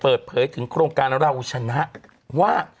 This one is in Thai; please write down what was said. เปิดเผยถึงโครงการเราชนะว่า